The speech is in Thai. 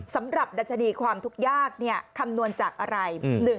ดัชนีความทุกข์ยากคำนวณจากอะไร